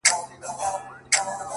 • د مختلفو عواملو له مخي، وېره لري ,